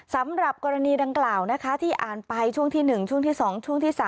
สำหรับกรณีดังกล่าวนะคะที่อ่านไปช่วงที่๑ช่วงที่๒ช่วงที่๓